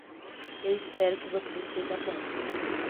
Eu espero que você seja bom!